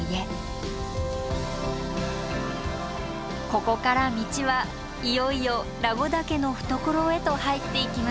ここから道はいよいよ名護岳の懐へと入っていきます。